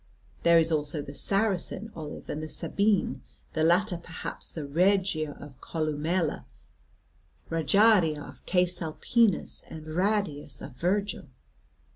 There is also the Saracen olive, and the Sabine, the latter perhaps the Regia of Columella, Raggiaria of Cæsalpinus, and Radius of Virgil.